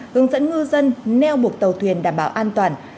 hướng dẫn ngư dân neo buộc tàu thuyền đảm bảo an toàn